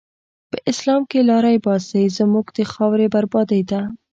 په اسلام کی لاری باسی، زموږ د خاوری بربادی ته